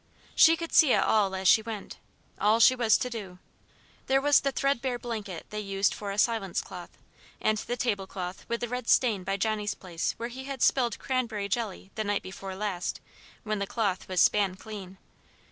She could see it all as she went all she was to do. There was the threadbare blanket they used for a silence cloth, and the table cloth with the red stain by Johnny's place where he had spilled cranberry jelly the night before last, when the cloth was "span clean."